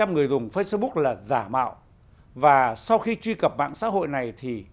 tám bảy người dùng facebook là giả mạo và sau khi truy cập mạng xã hội này thì